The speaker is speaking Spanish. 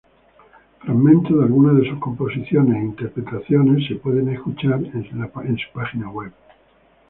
Fragmentos de algunas de sus composiciones e interpretaciones pueden escucharse en su página web.